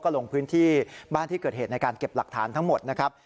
ลงพื้นที่บ้านที่เกิดเหตุในการเก็บหลักฐานทั้งหมดนะครับ